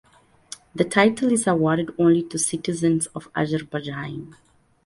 The title is awarded only to citizens of Azerbaijan.